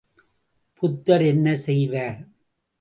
புத்தர் என்ன செய்வார்?